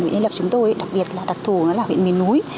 nguyện liên lập chúng tôi đặc biệt là đặc thù là huyện mình núi